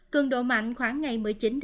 cường độ mạnh khoảng ngày một mươi chín một mươi